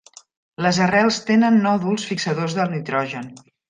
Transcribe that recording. Les arrels tenen nòduls fixadors de nitrogen.